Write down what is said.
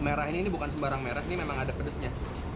merah ini bukan sembarang merah ini memang ada pedesnya